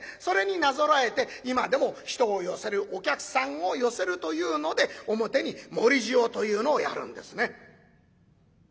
それになぞらえて今でも人を寄せるお客さんを寄せるというので表に盛り塩というのをやるんですね。